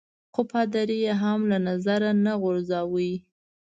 خو پادري يي هم له نظره نه غورځاوه.